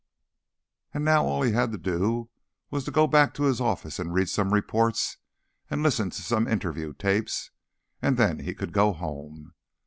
And now all he had to do was go back to his office and read some reports and listen to some interview tapes, and then he could go home.